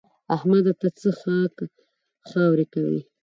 احمده! ته څه خاک ښوري کوې؟